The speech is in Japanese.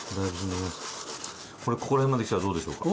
これここら辺まで来たらどうでしょうか。